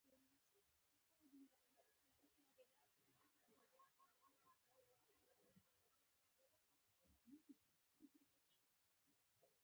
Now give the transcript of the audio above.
روزولټ په کانګریس کې ټرستانو ته پیغام درلود.